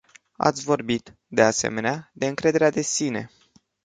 Ați vorbit, de asemenea, de încrederea de sine.